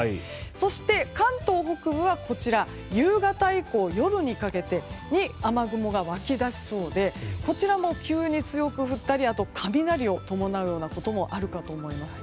そして、関東北部は夕方以降、夜にかけてに雨雲が湧き出しそうでこちらも急に強く降ったり雷を伴うようなこともあるかと思います。